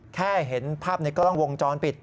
เห็นภาพในกล้องวงจรปิด